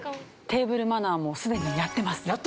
テーブルマナーもすでにやってます。